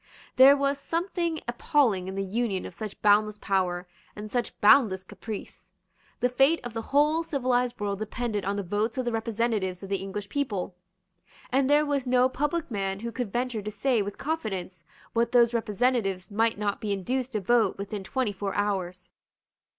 There was something appalling in the union of such boundless power and such boundless caprice. The fate of the whole civilised world depended on the votes of the representatives of the English people; and there was no public man who could venture to say with confidence what those representatives might not be induced to vote within twenty four hours.